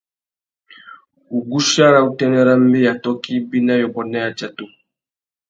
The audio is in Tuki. Wuguchia râ utênê râ mbeya tôkô ibi na yôbôt na yatsatu.